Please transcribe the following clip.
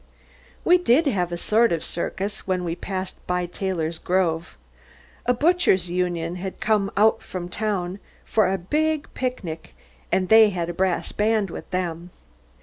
We did have a sort of circus when we passed by Taylor's grove. A Butchers' Union had come out from town for a big picnic, and they had a brass band with them.